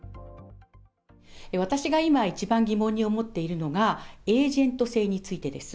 私が今、一番疑問に思っているのが、エージェント制についてです。